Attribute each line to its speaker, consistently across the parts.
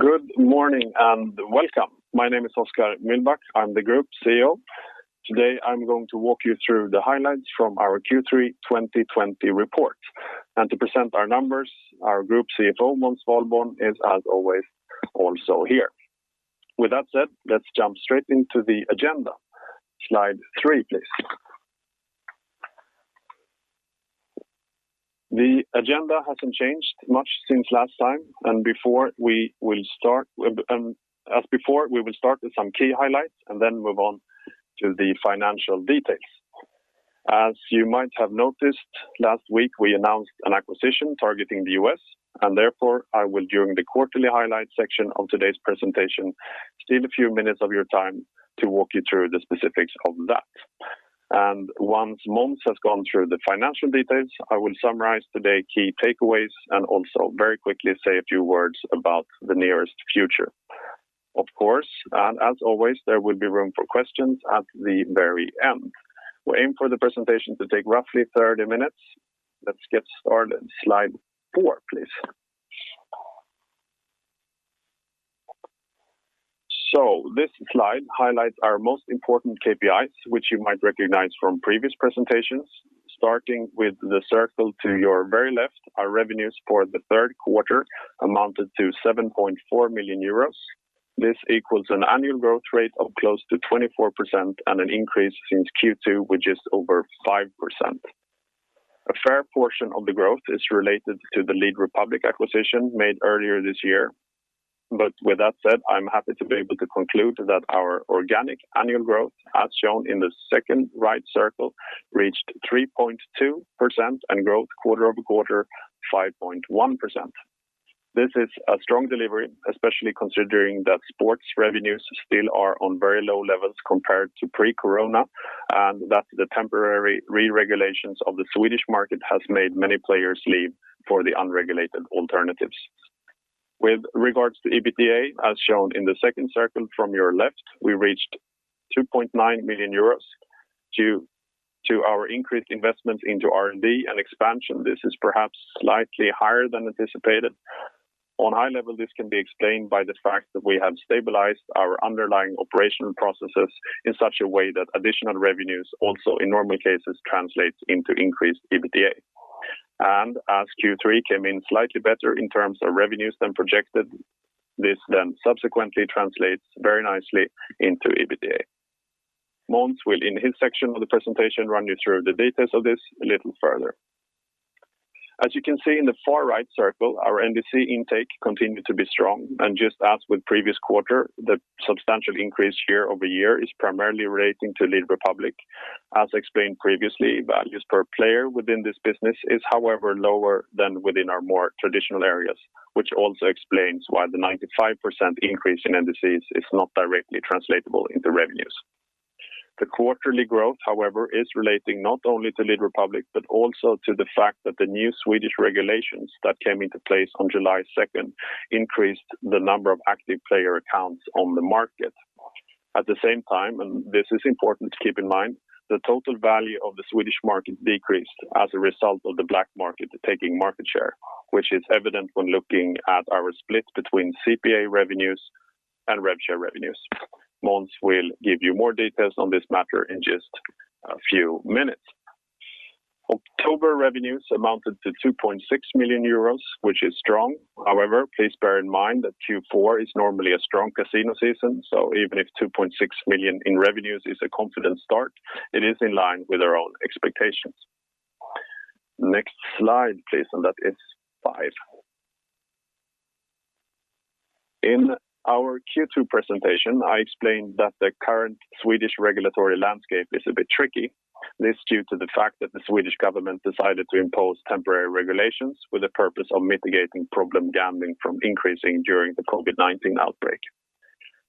Speaker 1: Good morning and welcome. My name is Oskar Mühlbach. I'm the Group CEO. Today, I'm going to walk you through the highlights from our Q3 2020 report. To present our numbers, our Group CFO, Måns Svalborn is as always, also here. With that said, let's jump straight into the agenda. Slide three, please. The agenda hasn't changed much since last time, and as before, we will start with some key highlights and then move on to the financial details. As you might have noticed, last week, we announced an acquisition targeting the U.S., and therefore, I will, during the quarterly highlights section of today's presentation, steal a few minutes of your time to walk you through the specifics of that. Once Måns has gone through the financial details, I will summarize today key takeaways and also very quickly say a few words about the nearest future. Of course, as always, there will be room for questions at the very end. We aim for the presentation to take roughly 30 minutes. Let's get started. Slide four, please. This slide highlights our most important KPIs, which you might recognize from previous presentations. Starting with the circle to your very left, our revenues for the third quarter amounted to 7.4 million euros. This equals an annual growth rate of close to 24% and an increase since Q2, which is over 5%. A fair portion of the growth is related to the Lead Republik acquisition made earlier this year. With that said, I'm happy to be able to conclude that our organic annual growth, as shown in the second right circle, reached 3.2%, and growth quarter-over-quarter, 5.1%. This is a strong delivery, especially considering that sports revenues still are on very low levels compared to pre-corona, and that the temporary re-regulations of the Swedish market has made many players leave for the unregulated alternatives. With regards to EBITDA, as shown in the second circle from your left, we reached 2.9 million euros due to our increased investment into R&D and expansion. This is perhaps slightly higher than anticipated. On a high level, this can be explained by the fact that we have stabilized our underlying operational processes in such a way that additional revenues also in normal cases translate into increased EBITDA. As Q3 came in slightly better in terms of revenues than projected, this then subsequently translates very nicely into EBITDA. Måns will, in his section of the presentation, run you through the details of this a little further. As you can see in the far right circle, our NDC intake continued to be strong. Just as with the previous quarter, the substantial increase year-over-year is primarily relating to Lead Republik. As explained previously, values per player within this business is, however, lower than within our more traditional areas, which also explains why the 95% increase in NDCs is not directly translatable into revenues. The quarterly growth, however, is relating not only to Lead Republik, but also to the fact that the new Swedish regulations that came into place on July 2nd increased the number of active player accounts on the market. At the same time, and this is important to keep in mind, the total value of the Swedish market decreased as a result of the black market taking market share, which is evident when looking at our split between CPA revenues and rev share revenues. Måns will give you more details on this matter in just a few minutes. October revenues amounted to 2.6 million euros, which is strong. However, please bear in mind that Q4 is normally a strong casino season, so even if 2.6 million in revenues is a confident start, it is in line with our own expectations. Next slide, please, and that is five. In our Q2 presentation, I explained that the current Swedish regulatory landscape is a bit tricky. This is due to the fact that the Swedish government decided to impose temporary regulations with the purpose of mitigating problem gambling from increasing during the COVID-19 outbreak.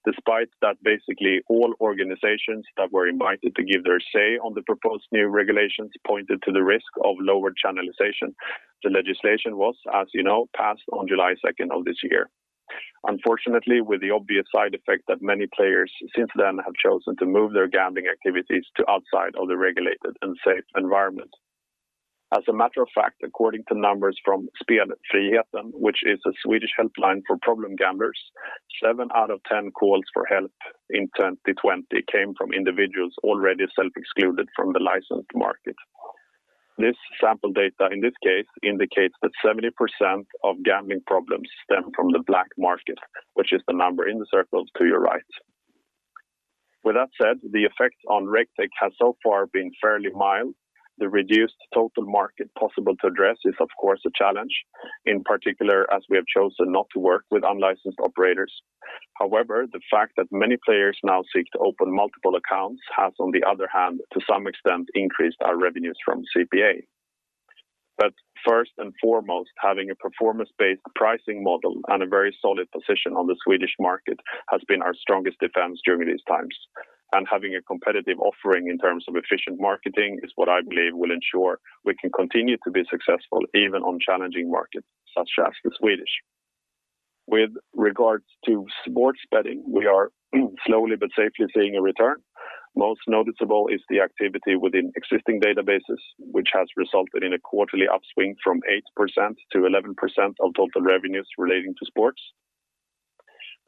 Speaker 1: Despite that, basically all organizations that were invited to give their say on the proposed new regulations pointed to the risk of lower channelization. The legislation was, as you know, passed on July 2nd of this year. Unfortunately, with the obvious side effect that many players since then have chosen to move their gambling activities to outside of the regulated and safe environment. As a matter of fact, according to numbers from Spelfriheten, which is a Swedish helpline for problem gamblers, seven out of 10 calls for help in 2020 came from individuals already self-excluded from the licensed market. This sample data, in this case, indicates that 70% of gambling problems stem from the black market, which is the number in the circles to your right. With that said, the effect on Raketech has so far been fairly mild. The reduced total market possible to address is, of course, a challenge, in particular, as we have chosen not to work with unlicensed operators. However, the fact that many players now seek to open multiple accounts has, on the other hand, to some extent increased our revenues from CPA. First and foremost, having a performance-based pricing model and a very solid position on the Swedish market has been our strongest defense during these times. Having a competitive offering in terms of efficient marketing is what I believe will ensure we can continue to be successful even on challenging markets such as the Swedish. With regards to sports betting, we are slowly but safely seeing a return. Most noticeable is the activity within existing databases, which has resulted in a quarterly upswing from 8% to 11% of total revenues relating to sports.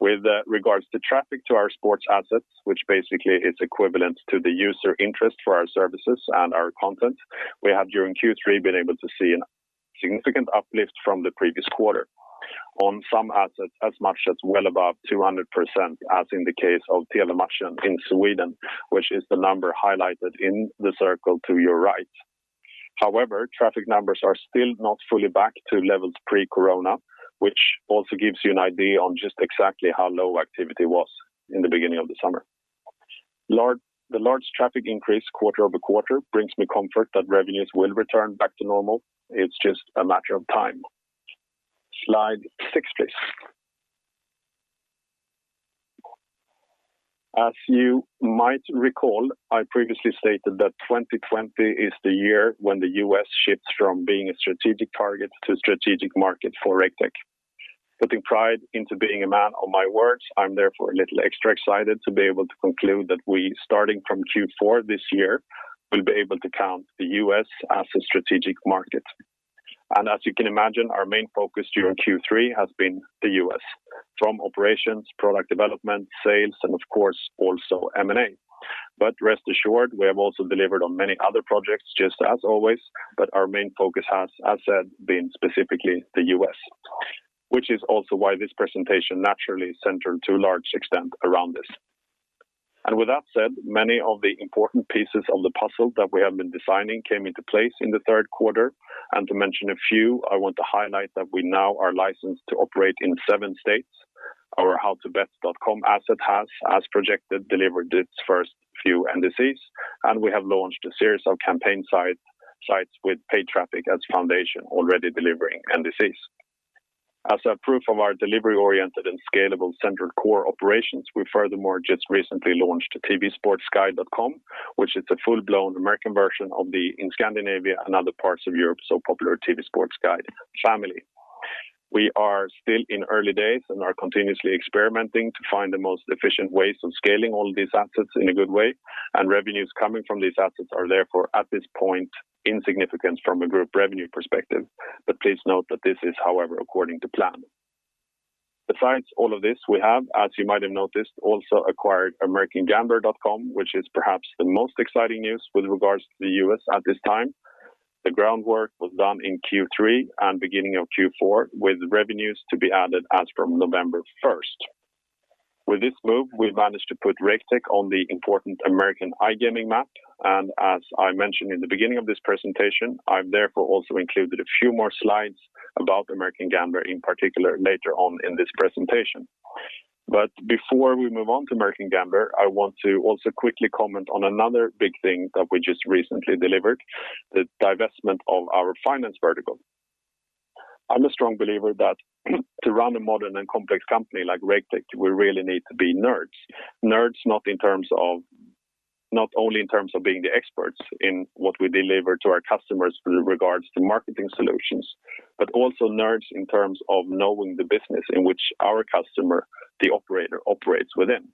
Speaker 1: With regards to traffic to our sports assets, which basically is equivalent to the user interest for our services and our content, we have during Q3 been able to see a significant uplift from the previous quarter. On some assets as much as well above 200%, as in the case of TVmatchen in Sweden, which is the number highlighted in the circle to your right. However, traffic numbers are still not fully back to levels pre-corona, which also gives you an idea on just exactly how low activity was in the beginning of the summer. The large traffic increase quarter-over-quarter brings me comfort that revenues will return back to normal. It's just a matter of time. Slide six, please. As you might recall, I previously stated that 2020 is the year when the U.S. shifts from being a strategic target to a strategic market for Raketech. Putting pride into being a man of my words, I'm therefore a little extra excited to be able to conclude that we, starting from Q4 this year, will be able to count the U.S. as a strategic market. As you can imagine, our main focus during Q3 has been the U.S. From operations, product development, sales, and of course, also M&A. Rest assured, we have also delivered on many other projects just as always, but our main focus has, as said, been specifically the U.S., which is also why this presentation naturally is centered to a large extent around this. With that said, many of the important pieces of the puzzle that we have been designing came into place in the third quarter. To mention a few, I want to highlight that we now are licensed to operate in seven states. Our howtobet.com asset has, as projected, delivered its first few entities, and we have launched a series of campaign sites with paid traffic as foundation, already delivering entities. As a proof of our delivery-oriented and scalable central core operations, we furthermore just recently launched tvsportguide.com, which is a full-blown American version of the in Scandinavia and other parts of Europe so popular TV Sports Guide family. We are still in early days and are continuously experimenting to find the most efficient ways of scaling all these assets in a good way, and revenues coming from these assets are therefore, at this point, insignificant from a group revenue perspective, but please note that this is, however, according to plan. Besides all of this, we have, as you might have noticed, also acquired americangambler.com, which is perhaps the most exciting news with regards to the U.S. at this time. The groundwork was done in Q3 and beginning of Q4, with revenues to be added as from November 1st. With this move, we've managed to put Raketech on the important American iGaming map, and as I mentioned in the beginning of this presentation, I've therefore also included a few more slides about American Gambler in particular later on in this presentation. Before we move on to American Gambler, I want to also quickly comment on another big thing that we just recently delivered, the divestment of our finance vertical. I'm a strong believer that to run a modern and complex company like Raketech, we really need to be nerds. Nerds not only in terms of being the experts in what we deliver to our customers with regards to marketing solutions, but also nerds in terms of knowing the business in which our customer, the operator, operates within.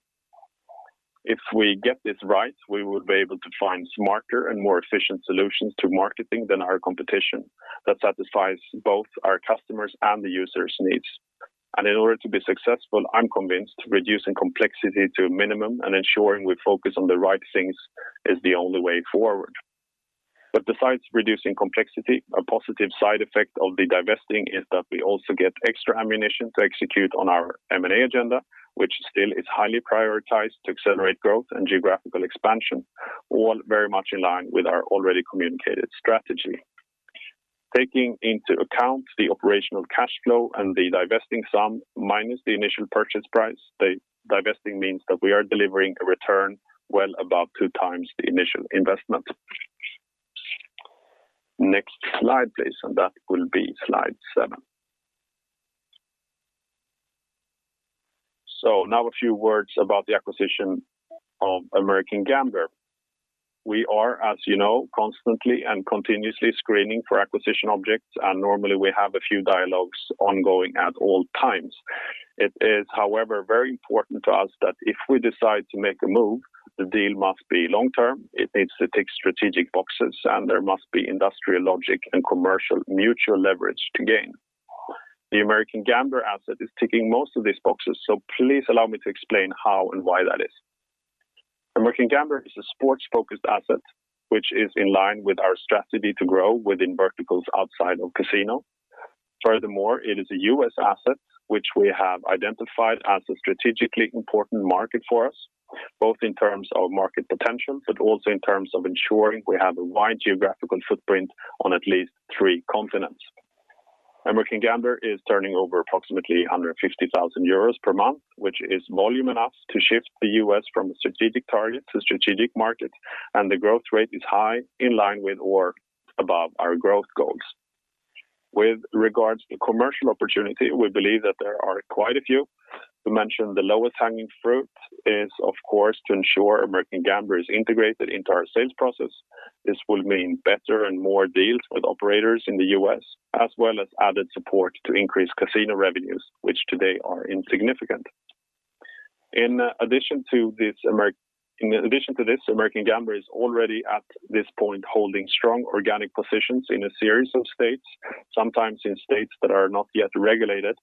Speaker 1: If we get this right, we will be able to find smarter and more efficient solutions to marketing than our competition that satisfies both our customers' and the users' needs. In order to be successful, I'm convinced reducing complexity to a minimum and ensuring we focus on the right things is the only way forward. Besides reducing complexity, a positive side effect of the divesting is that we also get extra ammunition to execute on our M&A agenda, which still is highly prioritized to accelerate growth and geographical expansion, all very much in line with our already communicated strategy. Taking into account the operational cash flow and the divesting sum minus the initial purchase price, the divesting means that we are delivering a return well above two times the initial investment. Next slide, please, that will be slide seven. Now a few words about the acquisition of American Gambler. We are, as you know, constantly and continuously screening for acquisition objects, normally we have a few dialogues ongoing at all times. It is, however, very important to us that if we decide to make a move, the deal must be long-term, it needs to tick strategic boxes, and there must be industrial logic and commercial mutual leverage to gain. The American Gambler asset is ticking most of these boxes, so please allow me to explain how and why that is. American Gambler is a sports-focused asset, which is in line with our strategy to grow within verticals outside of casino. Furthermore, it is a U.S. asset, which we have identified as a strategically important market for us, both in terms of market potential, but also in terms of ensuring we have a wide geographical footprint on at least three continents. American Gambler is turning over approximately 150,000 euros per month, which is volume enough to shift the U.S. from a strategic target to strategic market. The growth rate is high, in line with or above our growth goals. With regards to commercial opportunity, we believe that there are quite a few. To mention the lowest hanging fruit is of course to ensure American Gambler is integrated into our sales process. This will mean better and more deals with operators in the U.S., as well as added support to increase casino revenues, which today are insignificant. In addition to this, American Gambler is already at this point holding strong organic positions in a series of states, sometimes in states that are not yet regulated.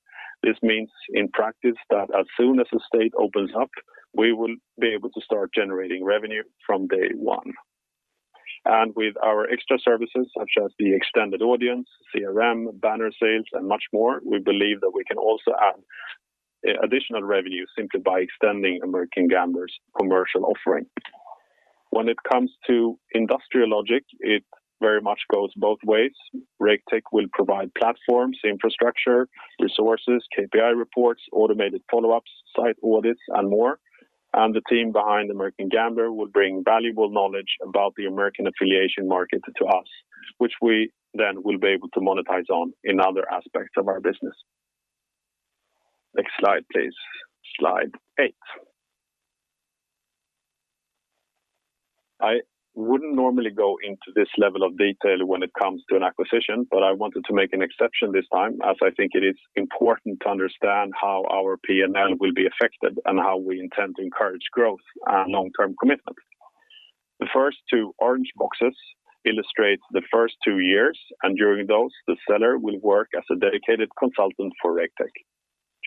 Speaker 1: This means in practice that as soon as a state opens up, we will be able to start generating revenue from day one. With our extra services such as the extended audience, CRM, banner sales and much more, we believe that we can also add additional revenue simply by extending American Gambler's commercial offering. When it comes to industrial logic, it very much goes both ways. Raketech will provide platforms, infrastructure, resources, KPI reports, automated follow-ups, site audits, and more, and the team behind American Gambler will bring valuable knowledge about the American affiliation market to us, which we then will be able to monetize on in other aspects of our business. Next slide, please. Slide eight. I wouldn't normally go into this level of detail when it comes to an acquisition, but I wanted to make an exception this time as I think it is important to understand how our P&L will be affected and how we intend to encourage growth and long-term commitment. The first two orange boxes illustrate the first two years, and during those, the seller will work as a dedicated consultant for Raketech.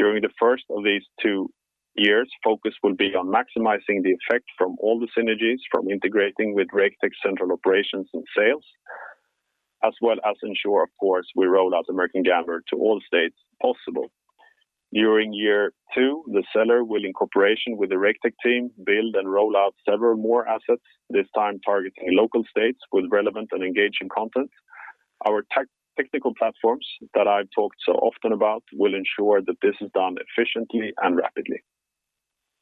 Speaker 1: During the first of these two years, focus will be on maximizing the effect from all the synergies from integrating with Raketech central operations and sales, as well as ensure, of course, we roll out American Gambler to all states possible. During year two, the seller will, in cooperation with the Raketech team, build and roll out several more assets, this time targeting local states with relevant and engaging content. Our technical platforms that I've talked so often about will ensure that this is done efficiently and rapidly.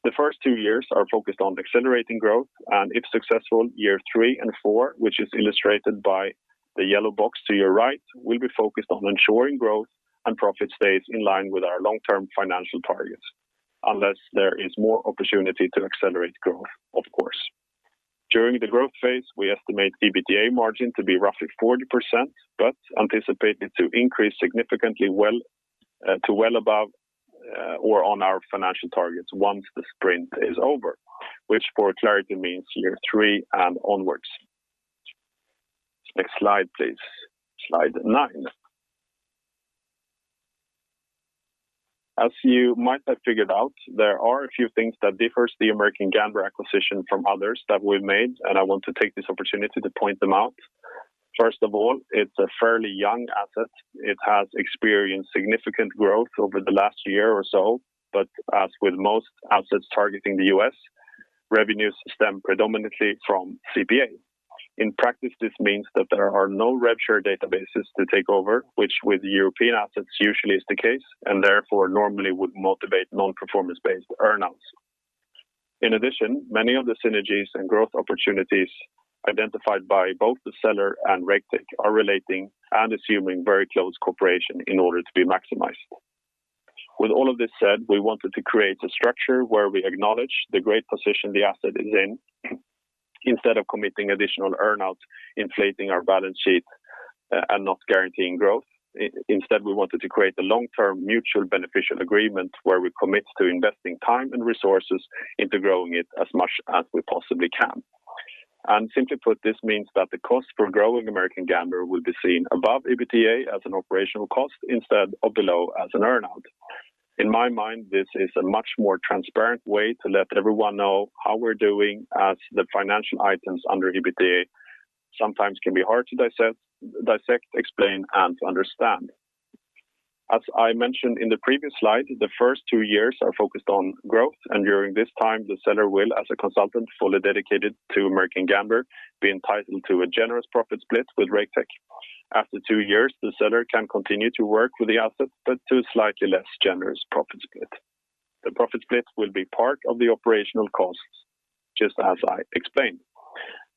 Speaker 1: The first two years are focused on accelerating growth, and if successful, year three and four, which is illustrated by the yellow box to your right, will be focused on ensuring growth and profit stays in line with our long-term financial targets, unless there is more opportunity to accelerate growth, of course. During the growth phase, we estimate EBITDA margin to be roughly 40%, but anticipate it to increase significantly to well above or on our financial targets once the sprint is over, which for clarity means year three and onwards. Next slide, please. Slide nine. As you might have figured out, there are a few things that differs the American Gambler acquisition from others that we've made, and I want to take this opportunity to point them out. First of all, it's a fairly young asset. It has experienced significant growth over the last year or so, but as with most assets targeting the U.S., revenues stem predominantly from CPA. In practice, this means that there are no rev share databases to take over, which with European assets usually is the case, and therefore normally would motivate non-performance based earn-outs. In addition, many of the synergies and growth opportunities identified by both the seller and Raketech are relating and assuming very close cooperation in order to be maximized. With all of this said, we wanted to create a structure where we acknowledge the great position the asset is in, instead of committing additional earn-outs, inflating our balance sheet and not guaranteeing growth. Instead, we wanted to create a long-term mutual beneficial agreement where we commit to investing time and resources into growing it as much as we possibly can. Simply put, this means that the cost for growing American Gambler will be seen above EBITDA as an operational cost instead of below as an earn-out. In my mind, this is a much more transparent way to let everyone know how we are doing as the financial items under EBITDA sometimes can be hard to dissect, explain, and to understand. As I mentioned in the previous slide, the first two years are focused on growth, and during this time, the seller will, as a consultant fully dedicated to American Gambler, be entitled to a generous profit split with Raketech. After two years, the seller can continue to work with the asset, but to a slightly less generous profit split. The profit split will be part of the operational costs, just as I explained.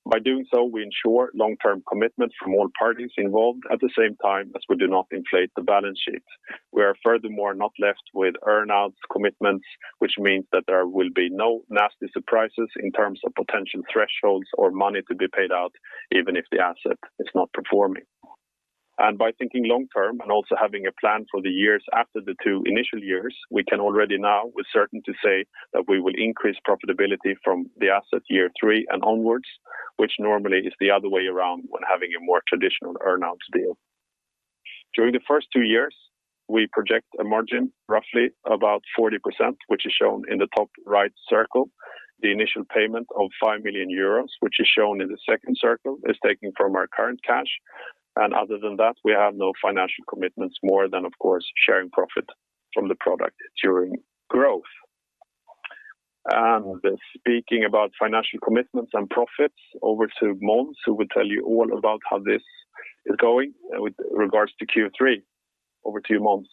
Speaker 1: By doing so, we ensure long-term commitment from all parties involved at the same time as we do not inflate the balance sheet. We are furthermore not left with earn-outs commitments, which means that there will be no nasty surprises in terms of potential thresholds or money to be paid out even if the asset is not performing. By thinking long-term and also having a plan for the years after the two initial years, we can already now with certainty say that we will increase profitability from the asset year three and onwards, which normally is the other way around when having a more traditional earn-outs deal. During the first two years, we project a margin roughly about 40%, which is shown in the top right circle. The initial payment of 5 million euros, which is shown in the second circle, is taken from our current cash. Other than that, we have no financial commitments more than, of course, sharing profit from the product during growth. Speaking about financial commitments and profits, over to Måns, who will tell you all about how this is going with regards to Q3. Over to you, Måns.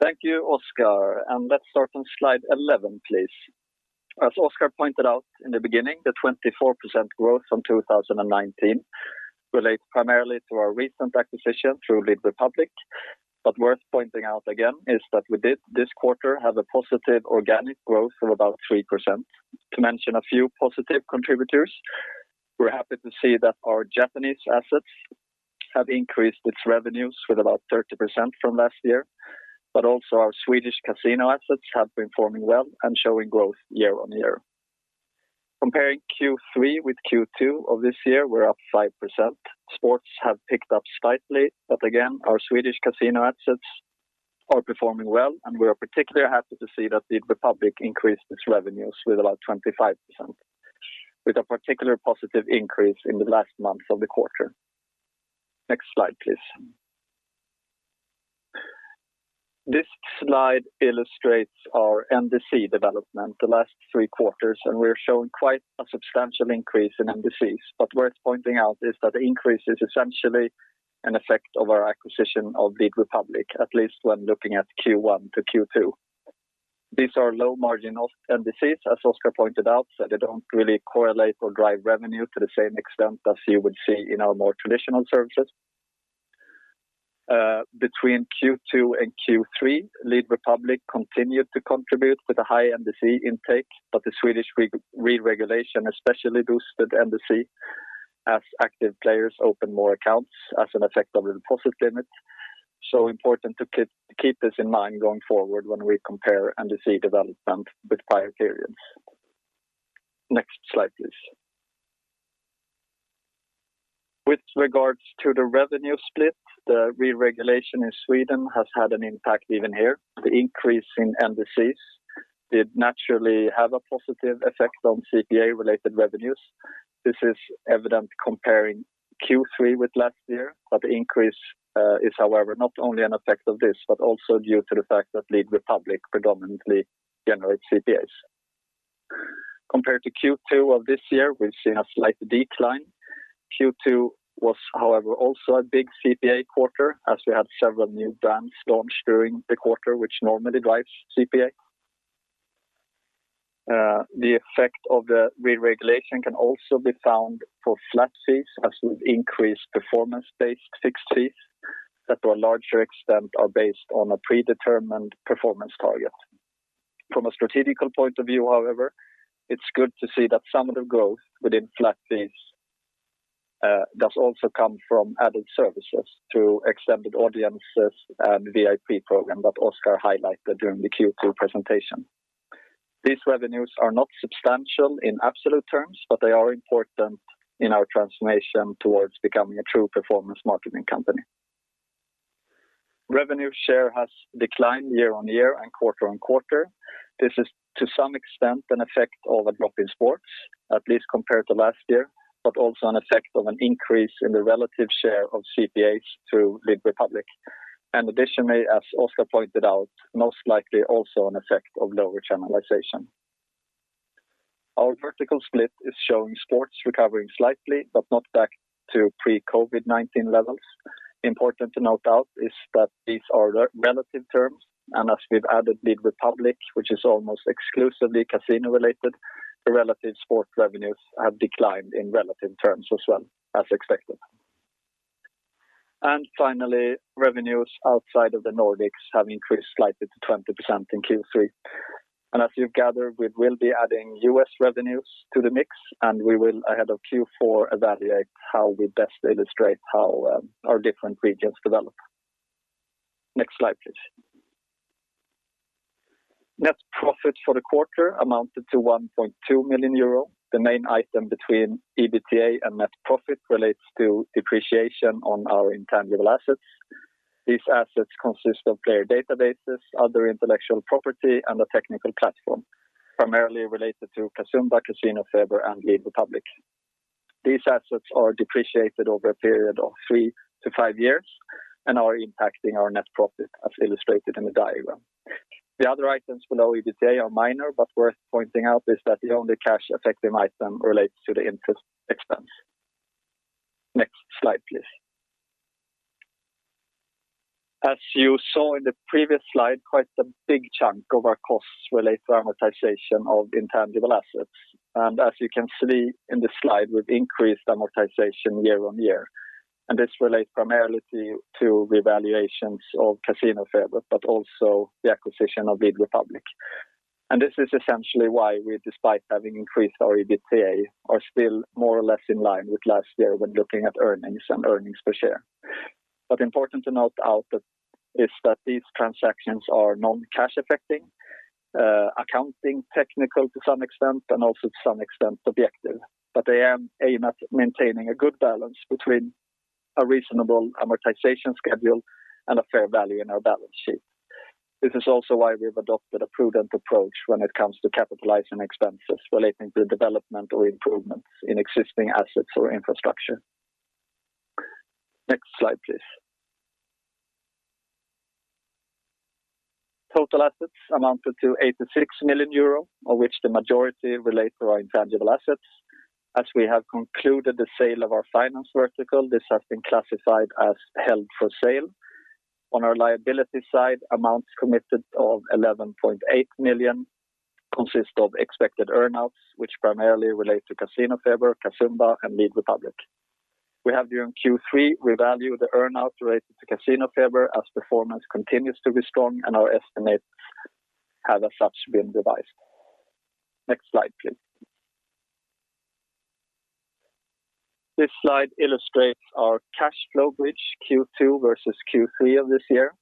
Speaker 2: Thank you, Oskar. Let's start on slide 11, please. As Oskar pointed out in the beginning, the 24% growth from 2019 relates primarily to our recent acquisition through Lead Republik. Worth pointing out again is that we did this quarter have a positive organic growth of about 3%. To mention a few positive contributors, we're happy to see that our Japanese assets have increased its revenues with about 30% from last year, but also our Swedish casino assets have been performing well and showing growth year-on-year. Comparing Q3 with Q2 of this year, we're up 5%. Sports have picked up slightly, but again, our Swedish casino assets are performing well, and we are particularly happy to see that Lead Republik increased its revenues with about 25%, with a particular positive increase in the last month of the quarter. Next slide, please. This slide illustrates our NDC development the last three quarters. We're showing quite a substantial increase in NDCs. Worth pointing out is that the increase is essentially an effect of our acquisition of Lead Republik, at least when looking at Q1 to Q2. These are low margin NDCs, as Oskar pointed out. They don't really correlate or drive revenue to the same extent as you would see in our more traditional services. Between Q2 and Q3, Lead Republik continued to contribute with a high NDC intake. The Swedish re-regulation especially boosted NDC as active players opened more accounts as an effect of the deposit limit. Important to keep this in mind going forward when we compare NDC development with prior periods. Next slide, please. With regards to the revenue split, the re-regulation in Sweden has had an impact even here. The increase in NDCs did naturally have a positive effect on CPA related revenues. This is evident comparing Q3 with last year, the increase is, however, not only an effect of this, but also due to the fact that Lead Republik predominantly generates CPAs. Compared to Q2 of this year, we've seen a slight decline. Q2 was, however, also a big CPA quarter as we had several new brands launched during the quarter, which normally drives CPA. The effect of the re-regulation can also be found for flat fees as we've increased performance-based fixed fees that to a larger extent are based on a predetermined performance target. From a strategic point of view, however, it's good to see that some of the growth within flat fees does also come from added services to extended audiences and VIP program that Oskar highlighted during the Q2 presentation. These revenues are not substantial in absolute terms, but they are important in our transformation towards becoming a true performance marketing company. Revenue share has declined year-on-year and quarter-on-quarter. This is to some extent an effect of a drop in sports, at least compared to last year, but also an effect of an increase in the relative share of CPAs through Lead Republik. Additionally, as Oskar pointed out, most likely also an effect of lower channelization. Our vertical split is showing sports recovering slightly, but not back to pre-COVID-19 levels. Important to note out is that these are relative terms, and as we've added Lead Republik, which is almost exclusively casino-related, the relative sports revenues have declined in relative terms as well, as expected. Finally, revenues outside of the Nordics have increased slightly to 20% in Q3. As you gather, we will be adding U.S. revenues to the mix, and we will ahead of Q4, evaluate how we best illustrate how our different regions develop. Next slide, please. Net profit for the quarter amounted to 1.2 million euro. The main item between EBITDA and net profit relates to depreciation on our intangible assets. These assets consist of player databases, other intellectual property, and a technical platform, primarily related to Casumba, Fairbet, and Lead Republik. These assets are depreciated over a period of three to five years and are impacting our net profit, as illustrated in the diagram. The other items below EBITDA are minor, but worth pointing out is that the only cash-effective item relates to the interest expense. Next slide, please. As you saw in the previous slide, quite a big chunk of our costs relate to amortization of intangible assets. As you can see in this slide, we've increased amortization year-over-year, and this relates primarily to revaluations of Casino Fairbet, but also the acquisition of Lead Republik. This is essentially why we, despite having increased our EBITDA, are still more or less in line with last year when looking at earnings and earnings per share. Important to note is that these transactions are non-cash-affecting, accounting technical to some extent, and also to some extent, objective. They aim at maintaining a good balance between a reasonable amortization schedule and a fair value in our balance sheet. This is also why we've adopted a prudent approach when it comes to capitalizing expenses relating to development or improvements in existing assets or infrastructure. Next slide, please. Total assets amounted to 86 million euro, of which the majority relate to our intangible assets. As we have concluded the sale of our finance vertical, this has been classified as held for sale. On our liability side, amounts committed of 11.8 million consist of expected earn-outs, which primarily relate to CasinoFeber, Casumba, and Lead Republik. We have during Q3 revalued the earn-out rate to CasinoFeber as performance continues to be strong, and our estimates have as such been revised. Next slide, please. This slide illustrates our cash flow bridge Q2 versus Q3 of this year.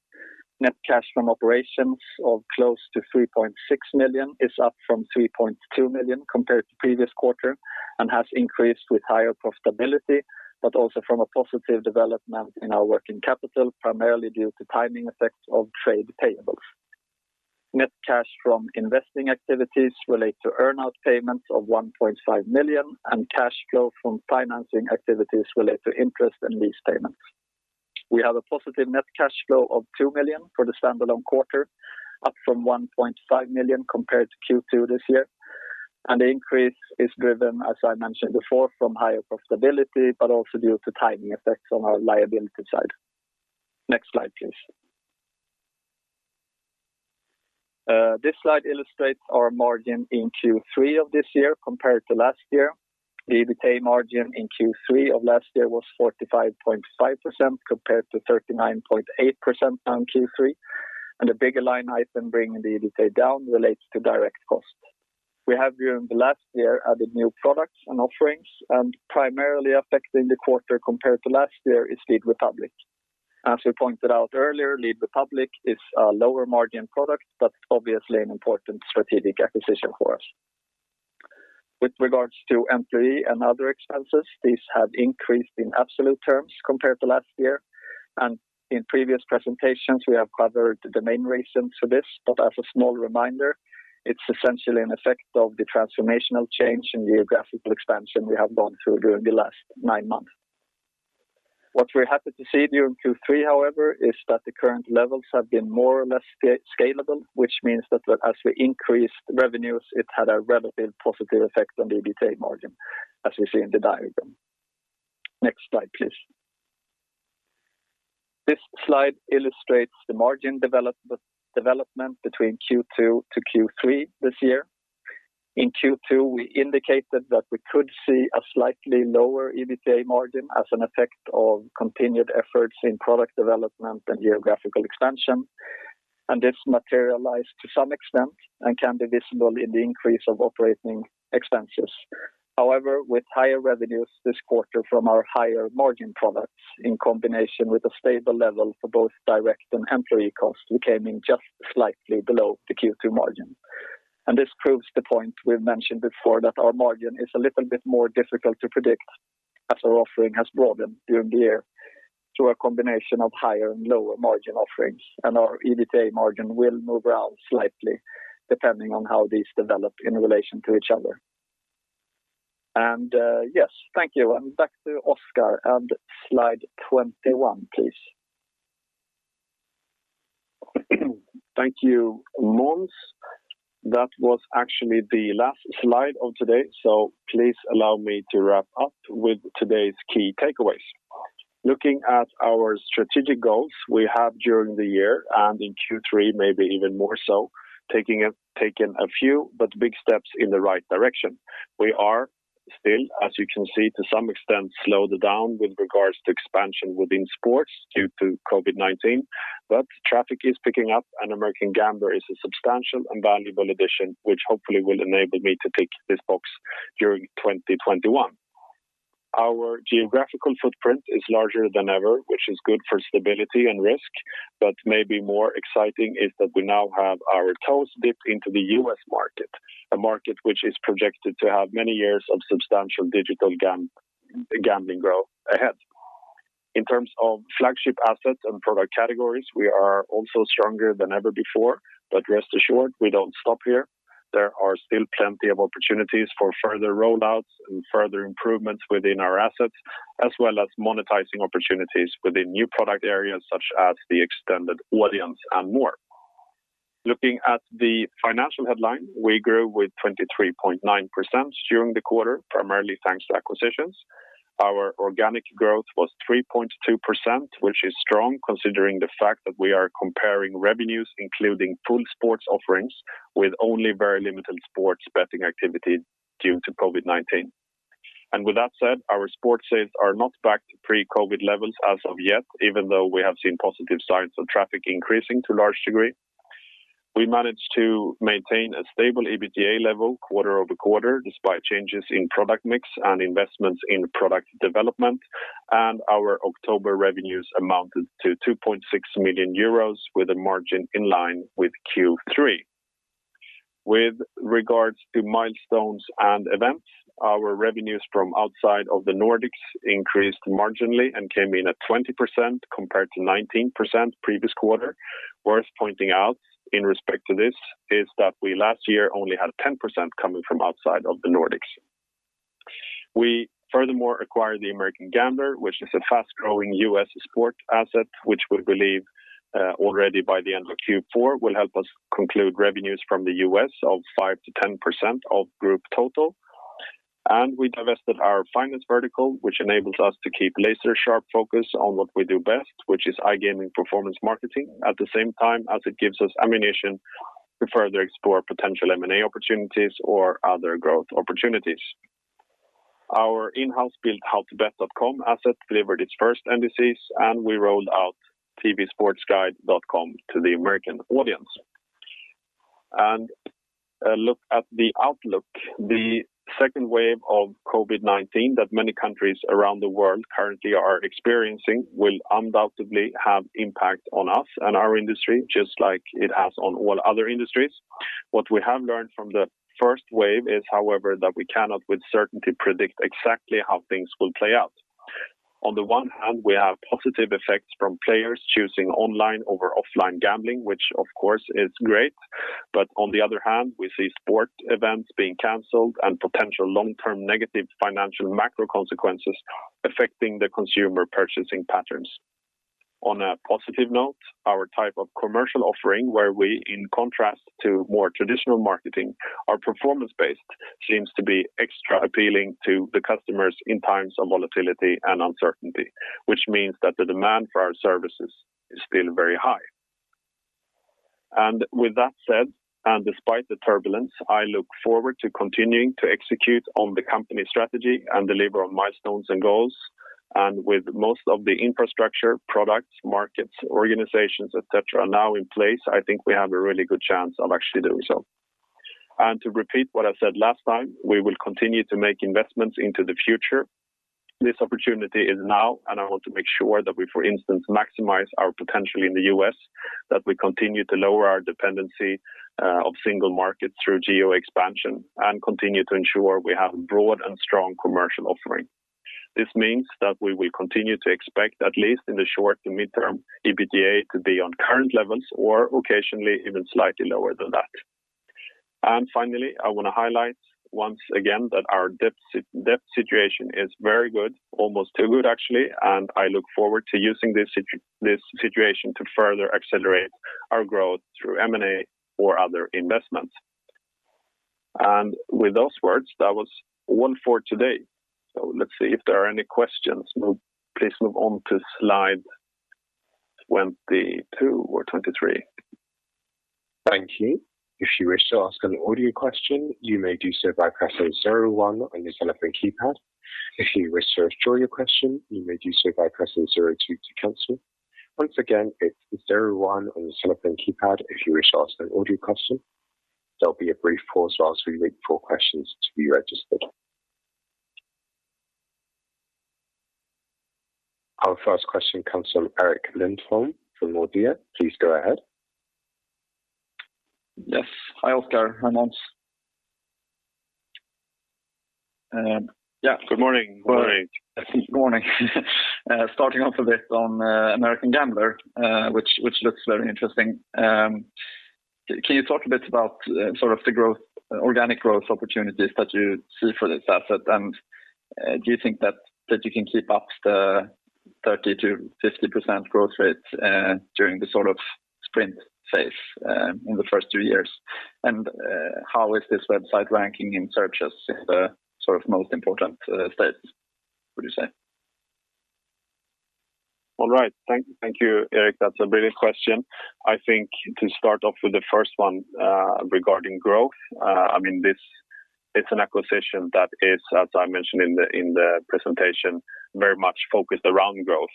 Speaker 2: Net cash from operations of close to 3.6 million is up from 3.2 million compared to previous quarter, and has increased with higher profitability, but also from a positive development in our working capital, primarily due to timing effects of trade payables. Net cash from investing activities relate to earn-out payments of 1.5 million, and cash flow from financing activities relate to interest and lease payments. We have a positive net cash flow of 2 million for the standalone quarter, up from 1.5 million compared to Q2 this year. The increase is driven, as I mentioned before, from higher profitability, but also due to timing effects on our liability side. Next slide, please. This slide illustrates our margin in Q3 of this year compared to last year. The EBITDA margin in Q3 of last year was 45.5% compared to 39.8% on Q3, and the bigger line item bringing the EBITDA down relates to direct costs. We have during the last year added new products and offerings, and primarily affecting the quarter compared to last year is Lead Republik. As we pointed out earlier, Lead Republik is a lower margin product, but obviously an important strategic acquisition for us. With regards to employee and other expenses, these have increased in absolute terms compared to last year. In previous presentations, we have covered the main reason for this, but as a small reminder, it is essentially an effect of the transformational change in geographical expansion we have gone through during the last nine months. What we are happy to see during Q3, however, is that the current levels have been more or less scalable, which means that as we increased revenues, it had a relative positive effect on the EBITDA margin, as we see in the diagram. Next slide, please. This slide illustrates the margin development between Q2 to Q3 this year. In Q2, we indicated that we could see a slightly lower EBITDA margin as an effect of continued efforts in product development and geographical expansion, and this materialized to some extent and can be visible in the increase of operating expenses. However, with higher revenues this quarter from our higher margin products, in combination with a stable level for both direct and employee costs, we came in just slightly below the Q2 margin. This proves the point we've mentioned before, that our margin is a little bit more difficult to predict as our offering has broadened during the year through a combination of higher and lower margin offerings, and our EBITDA margin will move around slightly depending on how these develop in relation to each other. Yes, thank you. Back to Oskar, and slide 21, please.
Speaker 1: Thank you, Måns. That was actually the last slide of today, please allow me to wrap up with today's key takeaways. Looking at our strategic goals we have during the year and in Q3 maybe even more so, taking a few but big steps in the right direction. We are still, as you can see, to some extent slowed down with regards to expansion within sports due to COVID-19. Traffic is picking up, and American Gambler is a substantial and valuable addition, which hopefully will enable me to tick this box during 2021. Our geographical footprint is larger than ever, which is good for stability and risk. Maybe more exciting is that we now have our toes dipped into the U.S. market, a market which is projected to have many years of substantial digital gambling growth ahead. In terms of flagship assets and product categories, we are also stronger than ever before. Rest assured, we don't stop here. There are still plenty of opportunities for further roll-outs and further improvements within our assets, as well as monetizing opportunities within new product areas such as the extended audience and more. Looking at the financial headline, we grew with 23.9% during the quarter, primarily thanks to acquisitions. Our organic growth was 3.2%, which is strong considering the fact that we are comparing revenues including full sports offerings with only very limited sports betting activity due to COVID-19. With that said, our sports bets are not back to pre-COVID levels as of yet, even though we have seen positive signs of traffic increasing to large degree. We managed to maintain a stable EBITDA level quarter-over-quarter, despite changes in product mix and investments in product development. Our October revenues amounted to 2.6 million euros, with a margin in line with Q3. With regards to milestones and events, our revenues from outside of the Nordics increased marginally and came in at 20% compared to 19% previous quarter. Worth pointing out in respect to this is that we last year only had 10% coming from outside of the Nordics. We furthermore acquired the American Gambler, which is a fast-growing U.S. sport asset, which we believe already by the end of Q4 will help us conclude revenues from the U.S. of 5%-10% of group total. We divested our finance vertical, which enables us to keep laser-sharp focus on what we do best, which is iGaming performance marketing. At the same time as it gives us ammunition to further explore potential M&A opportunities or other growth opportunities. Our in-house built howtobet.com asset delivered its first NDCs, and we rolled out tvsportguide.com to the American audience. A look at the outlook. The second wave of COVID-19 that many countries around the world currently are experiencing will undoubtedly have impact on us and our industry, just like it has on all other industries. What we have learned from the first wave is, however, that we cannot with certainty predict exactly how things will play out. On the one hand, we have positive effects from players choosing online over offline gambling, which of course is great. On the other hand, we see sport events being canceled and potential long-term negative financial macro consequences affecting the consumer purchasing patterns. On a positive note, our type of commercial offering, where we, in contrast to more traditional marketing, are performance-based, seems to be extra appealing to the customers in times of volatility and uncertainty, which means that the demand for our services is still very high. With that said, and despite the turbulence, I look forward to continuing to execute on the company strategy and deliver on milestones and goals. With most of the infrastructure, products, markets, organizations, et cetera, now in place, I think we have a really good chance of actually doing so. To repeat what I said last time, we will continue to make investments into the future. This opportunity is now, and I want to make sure that we, for instance, maximize our potential in the U.S., that we continue to lower our dependency of single markets through geo expansion and continue to ensure we have broad and strong commercial offering. This means that we will continue to expect, at least in the short to midterm, EBITDA to be on current levels or occasionally even slightly lower than that. Finally, I want to highlight once again that our debt situation is very good, almost too good, actually, and I look forward to using this situation to further accelerate our growth through M&A or other investments. With those words, that was all for today. Let's see if there are any questions. Please move on to slide 22 or 23.
Speaker 3: Thank you. If you wish to ask an audio question, you may do so by pressing star one on the telephone keypad. If you wish to withdraw your question, you may do so by pressing star two to cancel. Once again dial star one on your telephone keypad if you wish to ask audio question. There will be a brief pause as we wait for questions to be registered. Our first question comes from Erik Lindberg from Nordea. Please go ahead.
Speaker 4: Yes. Hi, Oskar. Hi, Måns.
Speaker 1: Yeah, good morning.
Speaker 4: Good morning. Starting off a bit on American Gambler, which looks very interesting. Can you talk a bit about sort of the organic growth opportunities that you see for this asset, and do you think that you can keep up the 30%-50% growth rate during the sort of sprint phase in the first two years? How is this website ranking in searches in the sort of most important states, would you say?
Speaker 1: All right. Thank you, Erik Lindberg. That's a brilliant question. I think to start off with the first one regarding growth, it's an acquisition that is, as I mentioned in the presentation, very much focused around growth.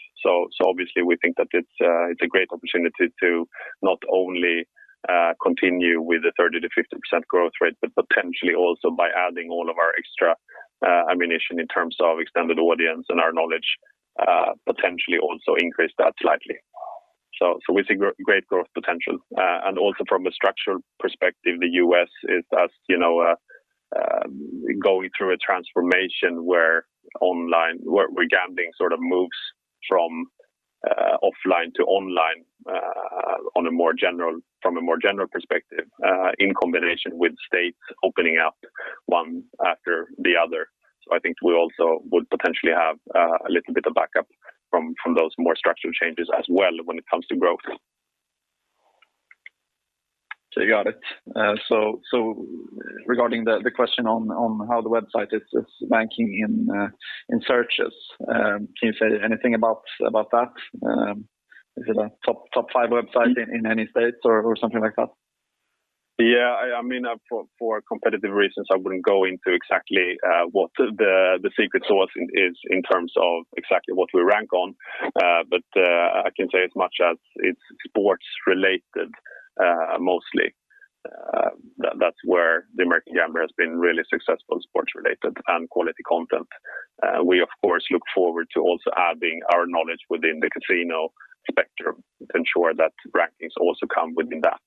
Speaker 1: Obviously we think that it's a great opportunity to not only continue with the 30%-50% growth rate, but potentially also by adding all of our extra ammunition in terms of extended audience and our knowledge, potentially also increase that slightly. We see great growth potential. Also from a structural perspective, the U.S. is, as you know, going through a transformation where gambling sort of moves from offline to online from a more general perspective, in combination with states opening up one after the other. I think we also would potentially have a little bit of backup from those more structural changes as well when it comes to growth.
Speaker 4: You got it. Regarding the question on how the website is ranking in searches, can you say anything about that? Is it a top five website in any states or something like that?
Speaker 1: Yeah. For competitive reasons, I wouldn't go into exactly what the secret sauce is in terms of exactly what we rank on. I can say as much as it's sports related mostly. That's where the American Gambler has been really successful, sports related and quality content. We of course look forward to also adding our knowledge within the casino spectrum to ensure that rankings also come within that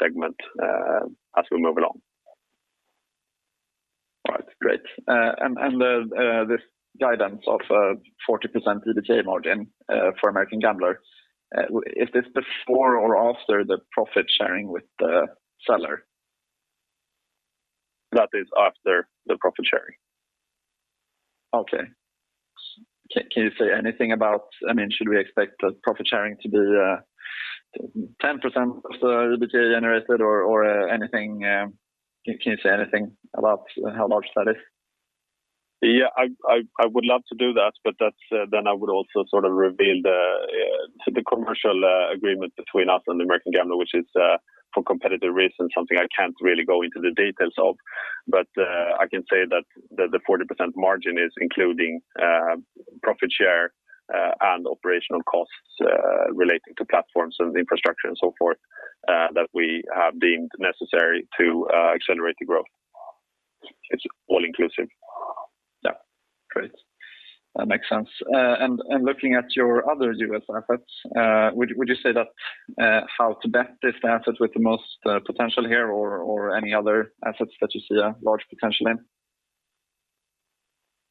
Speaker 1: segment as we move along.
Speaker 4: All right, great. This guidance of 40% EBITDA margin for American Gambler, is this before or after the profit sharing with the seller?
Speaker 1: That is after the profit sharing.
Speaker 4: Okay. Can you say anything about, should we expect that profit sharing to be 10% of the EBITDA generated, or can you say anything about how large that is?
Speaker 1: Yeah, I would love to do that, but then I would also sort of reveal the commercial agreement between us and the American Gambler, which is for competitive reasons something I can't really go into the details of. I can say that the 40% margin is including profit share and operational costs relating to platforms and the infrastructure and so forth that we have deemed necessary to accelerate the growth. It's all-inclusive.
Speaker 4: Yeah. Great. That makes sense. Looking at your other U.S. efforts, would you say that How to Bet is the asset with the most potential here, or any other assets that you see a large potential in?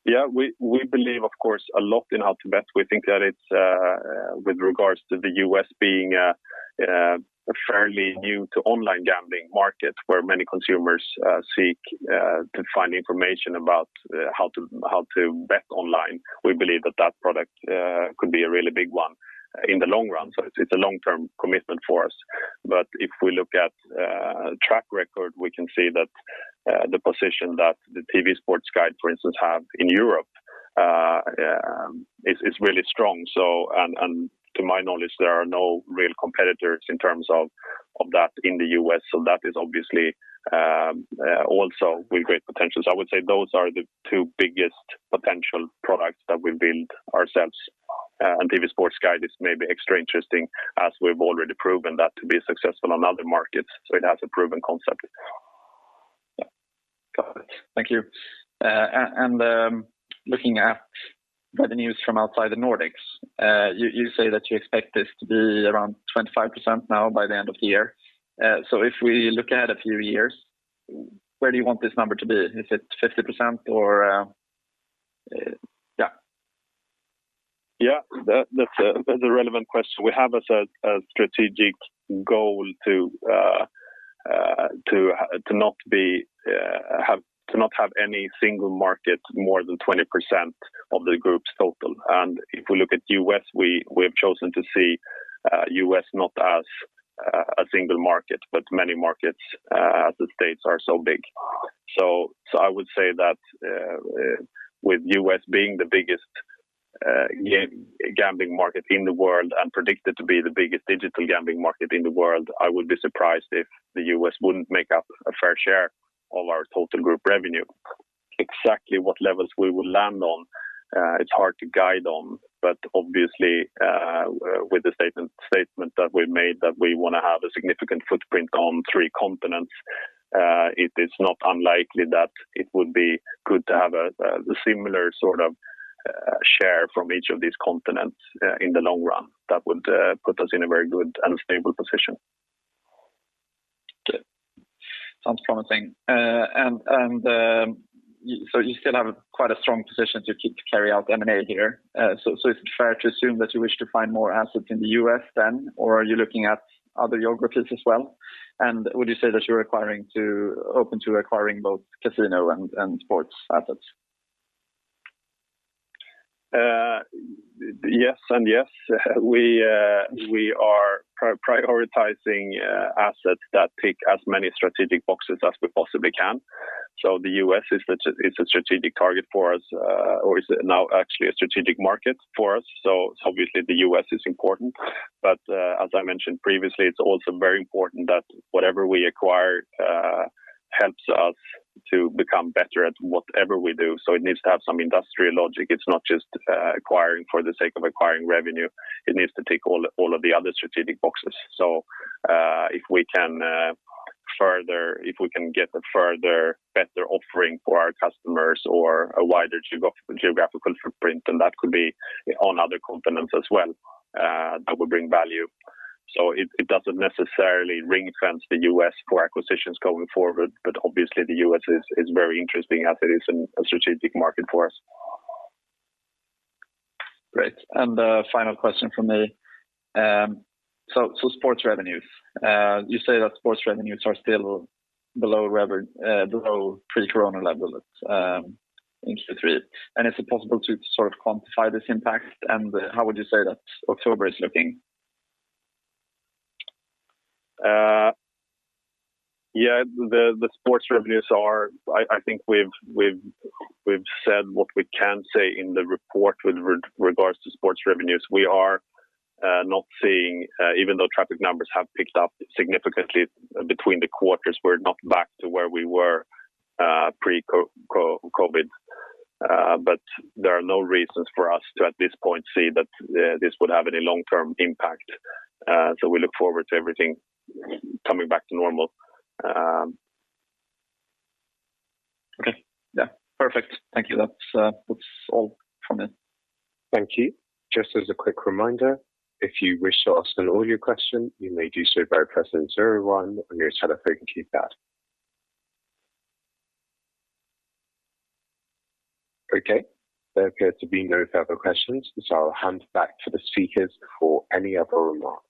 Speaker 1: Yeah, we believe, of course, a lot in HowToBet. We think that it's with regards to the U.S. being a fairly new to online gambling market where many consumers seek to find information about how to bet online. We believe that that product could be a really big one in the long run. It's a long-term commitment for us. If we look at track record, we can see that the position that the TV Sports Guide, for instance, have in Europe is really strong. To my knowledge, there are no real competitors in terms of that in the U.S., that is obviously also with great potential. I would say those are the two biggest potential products that we build ourselves. TV Sports Guide is maybe extra interesting as we've already proven that to be successful on other markets, so it has a proven concept.
Speaker 4: Yeah. Got it. Thank you. Looking at revenues from outside the Nordics, you say that you expect this to be around 25% now by the end of the year. If we look at a few years, where do you want this number to be? Is it 50% or yeah.
Speaker 1: Yeah, that's a relevant question. We have as a strategic goal to not have any single market more than 20% of the group's total. If we look at U.S., we have chosen to see U.S. not as a single market, but many markets as the states are so big. I would say that with U.S. being the biggest gambling market in the world and predicted to be the biggest digital gambling market in the world, I would be surprised if the U.S. wouldn't make up a fair share of our total group revenue. Exactly what levels we will land on it is hard to guide on. Obviously, with the statement that we made that we want to have a significant footprint on three continents, it is not unlikely that it would be good to have a similar sort of share from each of these continents in the long run. That would put us in a very good and stable position.
Speaker 4: Good. Sounds promising. You still have quite a strong position to carry out M&A here. Is it fair to assume that you wish to find more assets in the U.S. then, or are you looking at other geographies as well? Would you say that you're open to acquiring both casino and sports assets?
Speaker 1: Yes and yes. We are prioritizing assets that tick as many strategic boxes as we possibly can. The U.S. is a strategic target for us, or is now actually a strategic market for us, obviously the U.S. is important. As I mentioned previously, it's also very important that whatever we acquire helps us to become better at whatever we do. It needs to have some industrial logic. It's not just acquiring for the sake of acquiring revenue. It needs to tick all of the other strategic boxes. If we can get a further better offering for our customers or a wider geographical footprint, then that could be on other continents as well that will bring value. It doesn't necessarily ring-fence the U.S. for acquisitions going forward, but obviously the U.S. is very interesting as it is a strategic market for us.
Speaker 4: Great. Final question from me. Sports revenues. You say that sports revenues are still below pre-COVID-19 levels in Q3. Is it possible to sort of quantify this impact, and how would you say that October is looking?
Speaker 1: The sports revenues are-- I think we've said what we can say in the report with regards to sports revenues. Even though traffic numbers have picked up significantly between the quarters, we're not back to where we were pre-COVID-19. There are no reasons for us to, at this point, see that this would have any long-term impact. We look forward to everything coming back to normal.
Speaker 4: Okay. Yeah. Perfect. Thank you. That's all from me.
Speaker 3: Thank you. Just as a quick reminder, if you wish to ask an audio question, you may do so by pressing star one on your telephone keypad. Okay, there appears to be no further questions, so I'll hand back to the speakers for any other remarks.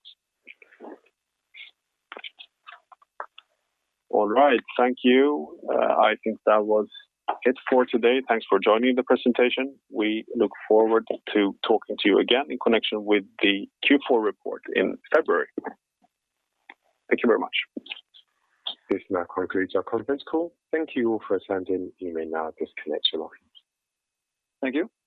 Speaker 1: All right. Thank you. I think that was it for today. Thanks for joining the presentation. We look forward to talking to you again in connection with the Q4 report in February. Thank you very much.
Speaker 3: This now concludes our conference call. Thank you all for attending. You may now disconnect your lines.
Speaker 1: Thank you.